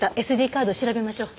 カード調べましょう。